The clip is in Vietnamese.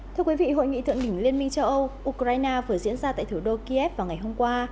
thưa quý vị hội nghị thượng đỉnh liên minh châu âu ukraine vừa diễn ra tại thủ đô kiev vào ngày hôm qua